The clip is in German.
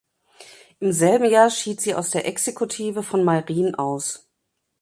Im selben Jahr schied sie auch aus der Exekutive von Meyrin aus.